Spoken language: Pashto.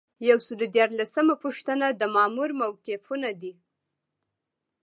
یو سل او دیارلسمه پوښتنه د مامور موقفونه دي.